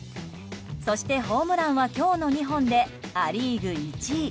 そしてホームランは今日の２本でア・リーグ１位。